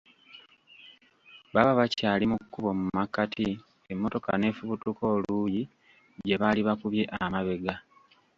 Baba bakyali mu kkubo mu makkati emmotoka neefubutuka oluuyi gye baali bakubye amabega.